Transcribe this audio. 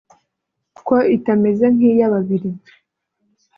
ko itameze nk’iy’ababiligi